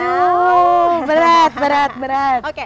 waduh berat berat berat